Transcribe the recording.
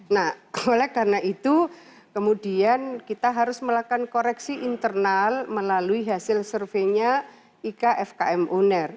nah oleh karena itu kemudian kita harus melakukan koreksi internal melalui hasil surveinya ikfkm uner